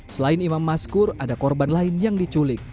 selain imam maskur ada korban lain yang diculik